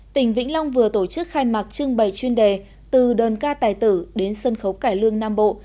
tỉnh vĩnh long vừa tổ chức khai mạc trưng bày chuyên đề từ đơn ca tài tử đến sân khấu cải lương nam bộ